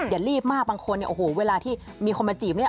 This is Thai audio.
อย่ารีบมากบางคนเนี่ยโอ้โหเวลาที่มีคนมาจีบเนี่ย